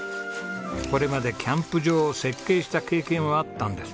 これまでキャンプ場を設計した経験はあったんです。